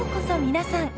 皆さん。